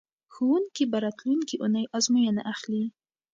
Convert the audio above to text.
ښوونکي به راتلونکې اونۍ ازموینه اخلي.